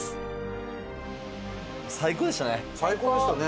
最高でしたね！